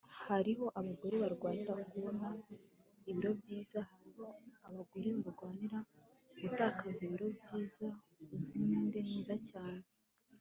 hariho abagore barwanira kubona ibiro byiza hariho abagore barwanira gutakaza ibiro byiza uzi ninde mwiza cyane